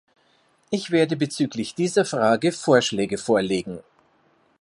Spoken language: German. Ich werde bezüglich dieser Frage Vorschläge vorlegen.